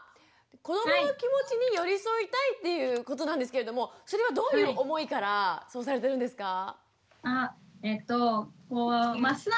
子どもの気持ちに寄り添いたいっていうことなんですけれどもそれはどういう思いからそうされてるんですか？